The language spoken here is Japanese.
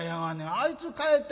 あいつ帰って。